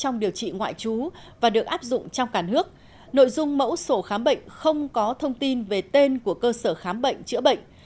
nội dung mẫu sổ khám bệnh không có thông tin về tên của cơ sở khám bệnh chữa bệnh